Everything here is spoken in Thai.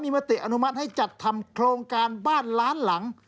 มติอนุมัติให้จัดทำโครงการบ้านล้านหลัง